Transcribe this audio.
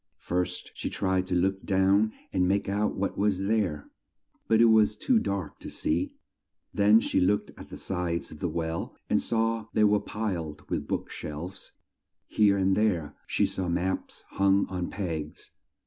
First she tried to look down and make out what was there, but it was too dark to see; then she looked at the sides of the well and saw that they were piled with book shelves; here and there she saw maps hung on pegs.